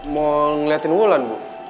mau ngeliatin wulan bu